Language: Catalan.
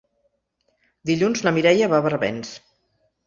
Dilluns na Mireia va a Barbens.